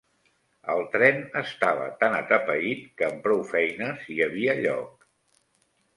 El tren estava tan atapeït que amb prou feines hi havia lloc